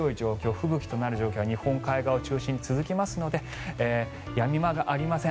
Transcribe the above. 吹雪となる状況が日本海側を中心に続きますのでやみ間がありません。